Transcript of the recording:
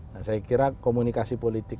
nah saya kira komunikasi politik